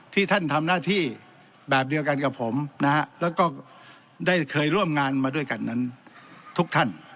ที่ท่านทำหน้าที่แบบเดียวกันกับผมนะฮะแล้วก็ได้เคยร่วมงานมาด้วยกันนั้นทุกท่าน